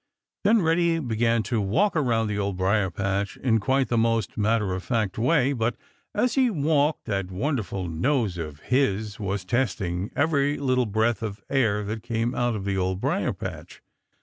Then Reddy began to walk around the Old Briar patch in quite the most matter of fact way, but as he walked that wonderful nose of his was testing every little breath of air that came out of the Old Briar patch.